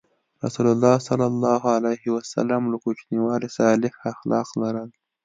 رسول الله ﷺ له کوچنیوالي صالح اخلاق لرل.